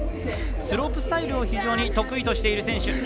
スロープスタイルを非常に得意としている選手。